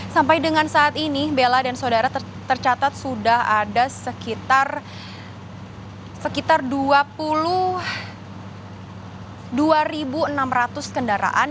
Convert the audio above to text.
sampai dengan saat ini bella dan saudara tercatat sudah ada sekitar dua enam ratus kendaraan